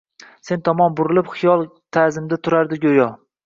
Sen tomon burilib, xiyol tazimda turardi go’yo